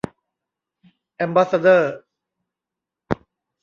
แอมบาสซาเดอร์